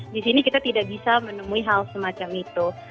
di sini kita tidak bisa menemui hal semacam itu